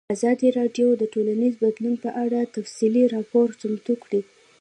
ازادي راډیو د ټولنیز بدلون په اړه تفصیلي راپور چمتو کړی.